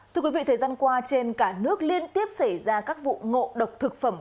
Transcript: thưa quý vị thời gian qua trên cả nước liên tiếp xảy ra các vụ ngộ độc thực phẩm